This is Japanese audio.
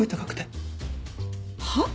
はっ？